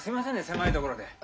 狭いところで。